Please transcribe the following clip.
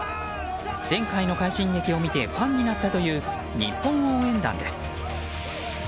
前回の快進撃を見てファンになったという日本応援団です。